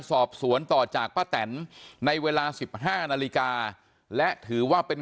สอบสวนต่อจากป้าแตนในเวลาสิบห้านาฬิกาและถือว่าเป็น